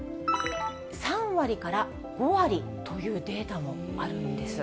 ３割から５割というデータもあるんです。